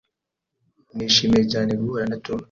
Nishimiye cyane guhura na Tom.